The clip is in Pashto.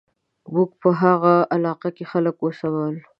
موږ په هغه علاقه کې خلک ولمسول.